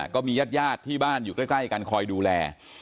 ก็มีญาติญาติที่บ้านอยู่ใกล้กันคอยดูแล